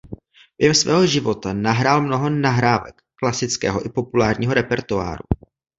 Během svého života nahrál mnoho nahrávek klasického i populárního repertoáru.